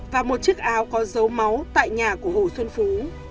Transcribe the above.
và một chiếc áo có dấu máu tại nhà của hồ xuân phú